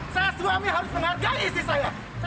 saya suami harus menghargai istri saya